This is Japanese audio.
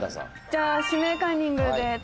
じゃあ「指名カンニング」で。